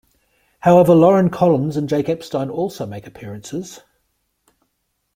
However, Lauren Collins and Jake Epstein also make appearances.